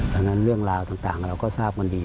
ดังนั้นเรื่องราวต่างเราก็ทราบกันดี